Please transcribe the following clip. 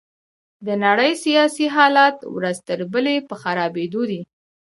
د نړۍ سياسي حالات ورځ تر بلې په خرابيدو دي.